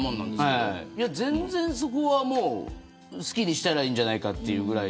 けれ全然、そこは好きにしたらいいんじゃないかと。